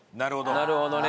なるほどね。